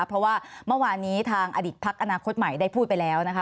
เพราะว่าเมื่อวานนี้ทางอดีตพักอนาคตใหม่ได้พูดไปแล้วนะคะ